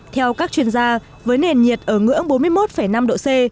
theo các chuyên gia với nền nhiệt ở ngưỡng bốn mươi một năm độ c